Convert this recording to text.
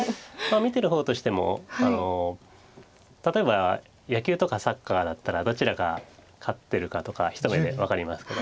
見てる方としても例えば野球とかサッカーだったらどちらが勝ってるかとか一目で分かりますけど。